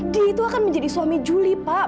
ki itu akan menjadi suami juli pak